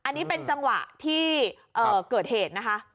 อันนี้เป็นจังหวะที่เกิดเหตุนะคะ